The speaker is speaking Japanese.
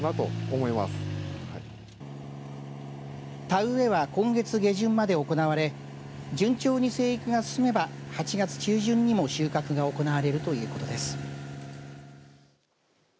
田植えは今月下旬まで行われ順調に生育が進めば８月中旬にも収穫が行われるということです。